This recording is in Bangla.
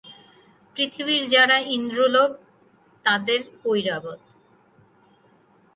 পৃথিবীর যারা ইন্দ্র লোভ তাদের ঐরাবত।